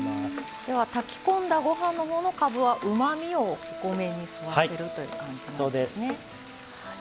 では炊き込んだご飯のほうのかぶはうまみをお米に吸わせるという感じなんですね。